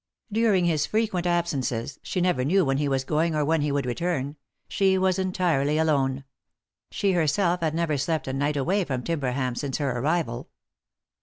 During his frequent absences — she never knew when he was going or when he would return — she was entirely alone ; she herself had never slept a night away from Timberham since her arrival.